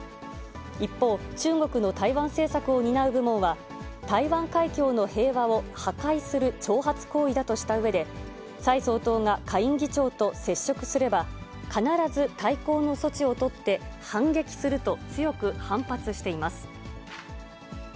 一方、中国の台湾政策を担う部門は、台湾海峡の平和を破壊する挑発行為だとしたうえで、蔡総統が下院議長と接触すれば、必ず対抗の措置を取って、反撃すると強く反発しています。